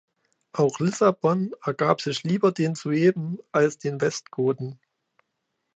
Auch Lissabon ergab sich lieber den Sueben als den Westgoten.